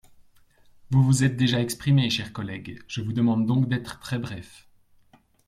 Vous vous êtes déjà exprimé, cher collègue ; je vous demande donc d’être très bref.